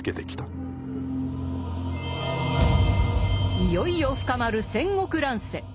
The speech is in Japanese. いよいよ深まる戦国乱世。